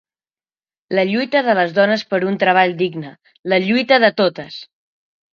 La lluita de les dones per un treball digne, la lluita de totes!